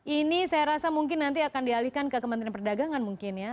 ini saya rasa mungkin nanti akan dialihkan ke kementerian perdagangan mungkin ya